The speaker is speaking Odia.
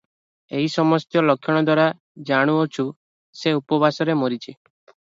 ଏହି ସମସ୍ତ ଲକ୍ଷଣ ଦ୍ୱାରା ଜାଣୁଅଛୁଁ, ସେ ଉପବାସରେ ମରିଚି ।